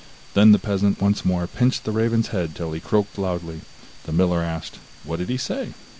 Then the peasant once more pinched the raven's head till he croaked loudly. The miller asked: 'What did he say?